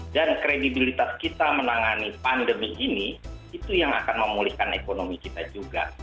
dan kredibilitas kita menangani pandemi ini itu yang akan memulihkan ekonomi kita juga